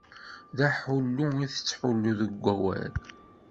D aḥullu i tettḥullu deg wawal.